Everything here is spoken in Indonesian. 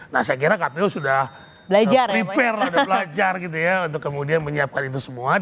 nah saya kira kpu sudah repair sudah belajar gitu ya untuk kemudian menyiapkan itu semua